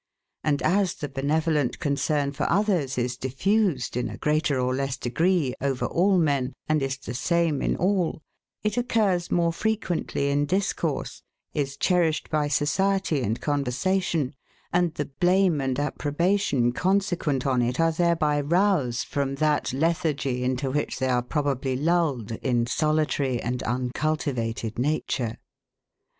And as the benevolent concern for others is diffused, in a greater or less degree, over all men, and is the same in all, it occurs more frequently in discourse, is cherished by society and conversation, and the blame and approbation, consequent on it, are thereby roused from that lethargy into which they are probably lulled, in solitary and uncultivated nature.